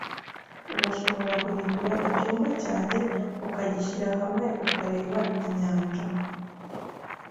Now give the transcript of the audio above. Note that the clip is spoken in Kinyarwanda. Urashobora guhindura icyumba cyanjye ukagishyira hamwe ukareba inyanja?